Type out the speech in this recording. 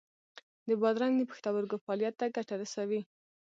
د بادرنګ د پښتورګو فعالیت ته ګټه رسوي.